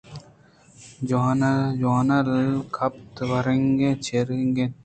جوٛان ءُ الکاپ وارینگ ءُ چارینگ بنت